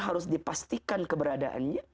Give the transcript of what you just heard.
harus dipastikan keberadaannya